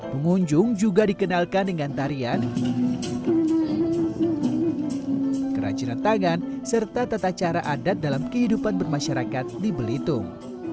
pengunjung juga dikenalkan dengan tarian kerajinan tangan serta tata cara adat dalam kehidupan bermasyarakat di belitung